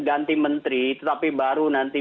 ganti menteri tetapi baru nanti